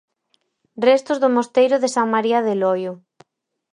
Restos do mosteiro de San María de Loio.